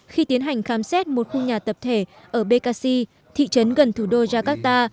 khi tiến hành khám xét một khu nhà tập thể ở bekasi thị trấn gần thủ đô jakarta